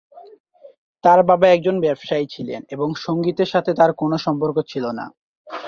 তাঁর বাবা একজন ব্যবসায়ী ছিলেন এবং সংগীতের সাথে তাঁর কোনও সম্পর্ক ছিল না।